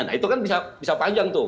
nah itu kan bisa panjang tuh